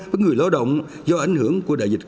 với người lao động do ảnh hưởng của đại dịch